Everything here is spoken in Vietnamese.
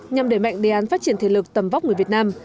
nhằm đẩy mạnh đề án phát triển thể lực tầm vóc người việt nam